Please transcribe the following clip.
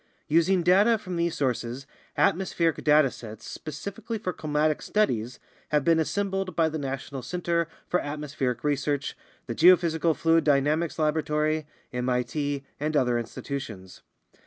Using data from these sources, atmospheric data sets specifically for climatic studies have been assembled by the National Center for Atmospheric Research, the Geo physical Fluid Dynamics Laboratory, MIT, and other institutions.